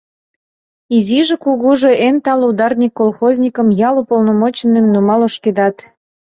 Изиже-кугужо эн тале ударник колхозникым, ял уполномоченныйым нумал ошкедат.